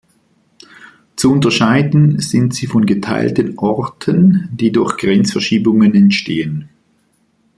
Zu unterscheiden sind sie von geteilten Orten, die durch Grenzverschiebungen entstehen.